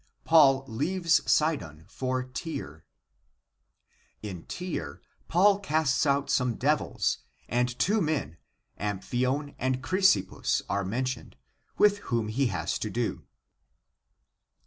Paul leaves Sidon for Tyre. In Tyre Paul casts out some devils and two men Amphion and Chrysippus are mentioned, with whom he has to do.